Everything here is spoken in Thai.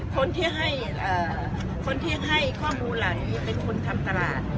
คนที่ให้คนที่ให้ข้อมูลเหล่านี้เป็นคนทำตลาด